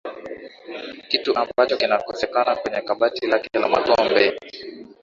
kitu ambacho kinakosekana kwenye kabati lake la makombe